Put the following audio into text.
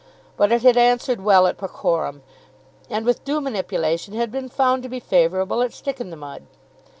But it had answered well at Porcorum, and with due manipulation had been found to be favourable at Sticinthemud.